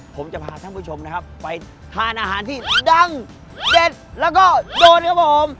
ผมจะพาท่านผู้ชมนะครับไปทานอาหารที่ดังเด็ดแล้วก็โดนครับผม